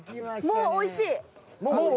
もうおいしい？